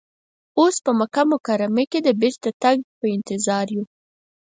اوس په مکه مکرمه کې د بیرته تګ په انتظار یو.